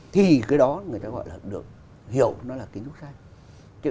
thì cái đó người ta gọi là được hiểu nó là kiến trúc khác